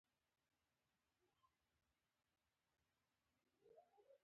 لس, یوولس, دوولس, دیرلس، څوارلس, پنځلس, شپاړس, اووهلس, اتهلس, نورلس